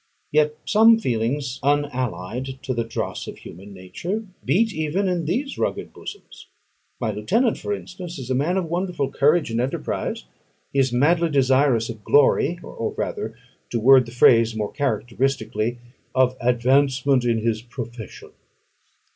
Yet some feelings, unallied to the dross of human nature, beat even in these rugged bosoms. My lieutenant, for instance, is a man of wonderful courage and enterprise; he is madly desirous of glory: or rather, to word my phrase more characteristically, of advancement in his profession.